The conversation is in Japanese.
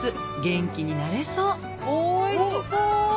元気になれそうおいしそう！